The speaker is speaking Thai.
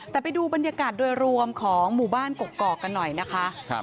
แต่ไปดูบรรยากาศโดยรวมของหมู่บ้านกกอกกันหน่อยนะคะ